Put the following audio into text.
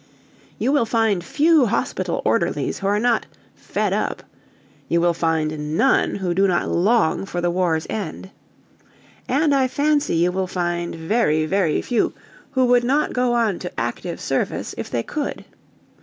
You will find few hospital orderlies who are not "fed up"; you will find none who do not long for the war's end. And I fancy you will find very, very few who would not go on active service if they could.